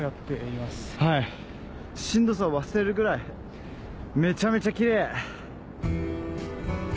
しんどさを忘れるぐらいめちゃめちゃキレイ！